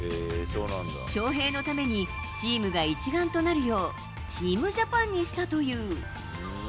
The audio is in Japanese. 翔平のためにチームが一丸となるよう、チームジャパンにしたという。